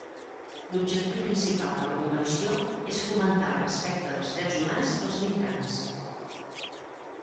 L'objectiu principal de la convenció és fomentar el respecte dels drets humans dels migrants.